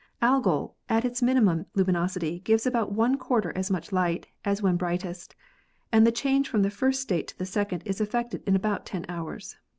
Algol at its minimum luminosity gives about one quarter as much light as when brightest, and the change from the first state to the second is effected in about ten hours.